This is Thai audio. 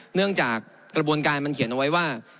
เนื่องจากกระบวนการมันเขียนเอาไว้ว่า